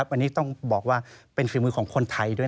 วันนี้ต้องบอกว่าเป็นฝีมือของคนไทยด้วย